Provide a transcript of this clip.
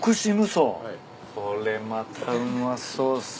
これまたうまそうっすよ